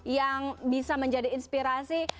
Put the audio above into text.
yang bisa menjadi inspirasi